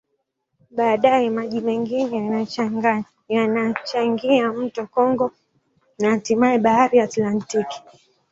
Baadaye, maji mengine yanachangia mto Kongo na hatimaye Bahari ya Atlantiki.